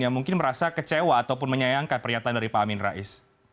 yang mungkin merasa kecewa ataupun menyayangkan pernyataan dari pak amin rais